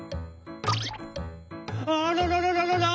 「あらららららら！？